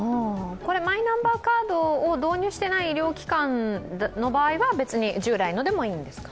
マイナンバーカードを導入していない医療機関の場合は別に従来のでもいいんですか？